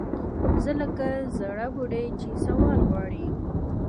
زه لکه زَړه بوډۍ چې سوال غواړي